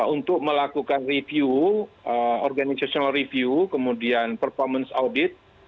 untuk melakukan review organizational review kemudian performance audit